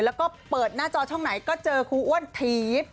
แล้วก็เปิดหน้าจอช่องไหนก็เจอครูอ้วนถีบ